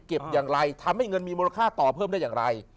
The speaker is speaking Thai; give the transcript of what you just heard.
อย่างไรทำให้เงินมีมูลค่าต่อเพิ่มได้อย่างไร